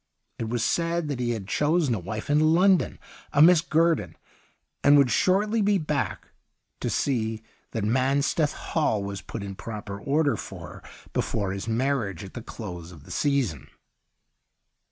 It was said that he had chosen a wife in London — a Miss Guerdon — and would shortly be back to see that Mansteth Hall was put in proper order for her before his marriage at the close of the season.